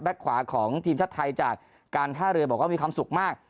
ขวาของทีมชาติไทยจากการท่าเรือบอกว่ามีความสุขมาก